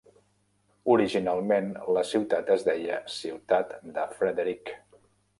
Originalment la ciutat es deia "Ciutat de Frederick".